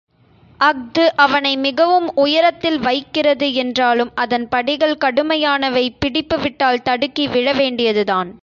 அஃது அவனை மிகவும் உயரத்தில் வைக்கிறது என்றாலும் அதன் படிகள் கடுமையானவை பிடிப்பு விட்டால் தடுக்கி விழவேண்டியதுதான்.